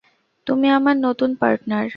তুমি আমার নতুন পার্টনার?